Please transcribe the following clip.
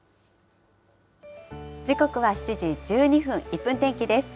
時刻は７時１２分、１分天気です。